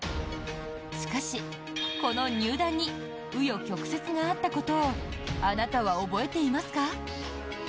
しかし、この入団に紆余曲折があったことをあなたは覚えていますか？